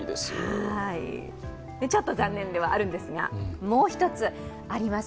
ちょっと残念ではあるんですが、もう一つあります。